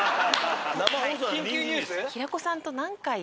緊急ニュース？